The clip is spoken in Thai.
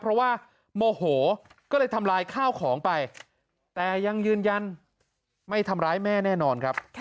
เพราะว่าโมโหก็เลยทำลายข้าวของไปแต่ยังยืนยันไม่ทำร้ายแม่แน่นอนครับ